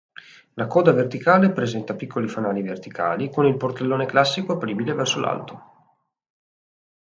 La coda verticale presenta piccoli fanali verticali con il portellone classico apribile verso l'alto.